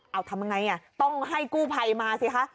เอาทำยังไงต้องให้กู้ภัยมาสิคะ